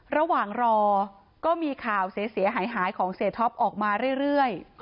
ระหว่างรอก็มีข่าวเสียหายของเสียท็อปออกมาเรื่อย